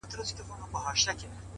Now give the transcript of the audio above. • شپې په تمه د سهار یو ګوندي راسي ,